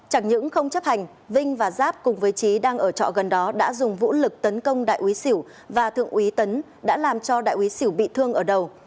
chẳng những không chấp hành vinh và giáp cùng với trí đang ở trọ gần đó đã dùng vũ lực tấn công đại úy xỉu và thượng úy tấn đã làm cho đại úy xỉu bị thương ở đầu